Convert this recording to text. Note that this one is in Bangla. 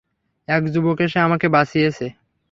এক যুবক এসে আমাকে বাঁচিয়েছে।